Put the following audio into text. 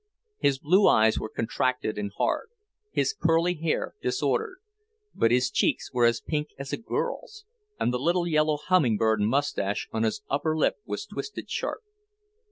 His blue eyes were contracted and hard, his curly hair disordered, but his cheeks were as pink as a girl's, and the little yellow humming bird moustache on his upper lip was twisted sharp.